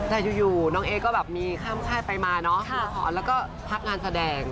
แต่อยู่น้องเอ๊ก็มีค่ำค่ายไปมาเนอะหัวขอแล้วก็พักงานแสดง